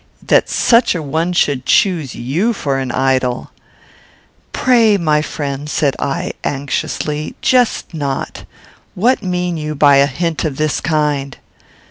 That such a one should choose you for an idol!" "Pray, my friend," said I, anxiously, "jest not. What mean you by a hint of this kind?"